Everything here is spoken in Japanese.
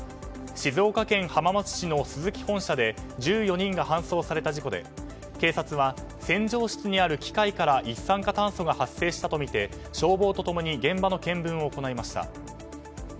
静岡県浜松市のスズキ本社で１４人が搬送された事故で警察は洗浄室にある機械から一酸化炭素が発生したとみて消防と共に現場の見聞をお粉りました。